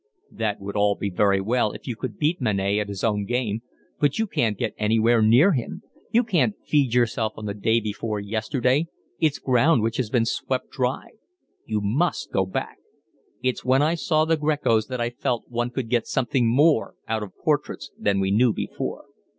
"That would be all very well if you could beat Manet at his own game, but you can't get anywhere near him. You can't feed yourself on the day before yesterday, it's ground which has been swept dry. You must go back. It's when I saw the Grecos that I felt one could get something more out of portraits than we knew before."